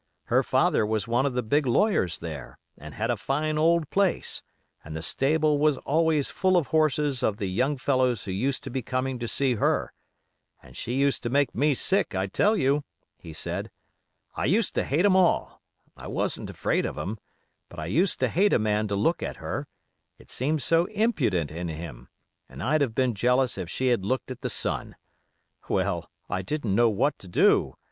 Her father was one of the big lawyers there, and had a fine old place, and the stable was always full of horses of the young fellows who used to be coming to see her, and 'she used to make me sick, I tell you,' he said, 'I used to hate 'em all; I wasn't afraid of 'em; but I used to hate a man to look at her; it seemed so impudent in him; and I'd have been jealous if she had looked at the sun. Well, I didn't know what to do.